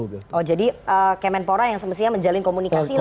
oh jadi kemenpora yang semestinya menjalin komunikasi lah ya